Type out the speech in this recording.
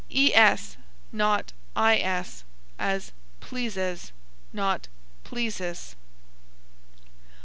es, not is, as pleases, not pleasis.